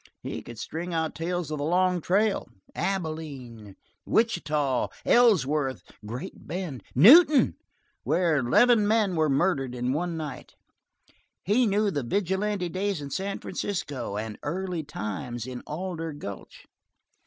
He could string out tales of the Long Trail: Abilene, Wichita, Ellsworth, Great Bend, Newton, where eleven men were murdered in one night; he knew the vigilante days in San Francisco, and early times in Alder Gulch.